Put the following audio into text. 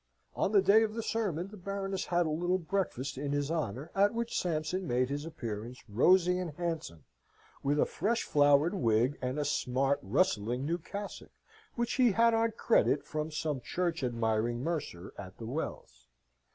On the day of the sermon, the Baroness had a little breakfast in his honour, at which Sampson made his appearance, rosy and handsome, with a fresh flowered wig, and a smart, rustling, new cassock, which he had on credit from some church admiring mercer at the Wells.